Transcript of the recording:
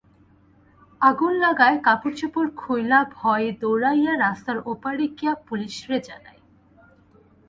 আগুন লাগায় কাপড়চোপড় খুইলা ভয়ে দৌড়াইয়া রাস্তার ওপারে গিয়া পুলিশরে জানাই।